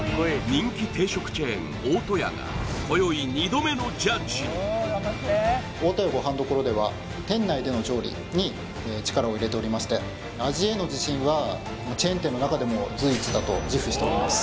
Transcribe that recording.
人気定食チェーン大戸屋が今宵大戸屋ごはん処では店内での調理に力を入れておりまして味への自信はチェーン店の中でも随一だと自負しております